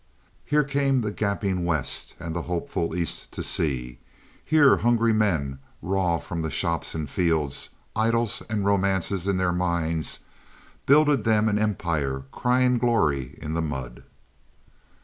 Here came the gaping West and the hopeful East to see. Here hungry men, raw from the shops and fields, idyls and romances in their minds, builded them an empire crying glory in the mud.